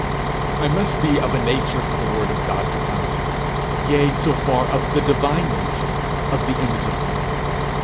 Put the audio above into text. I must be of a nature for the word of God to come to yea, so far, of the divine nature, of the image of God!